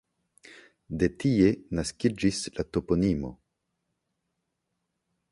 De tie naskiĝis la toponimo.